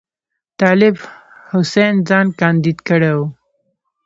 طالب حسین ځان کاندید کړی وو.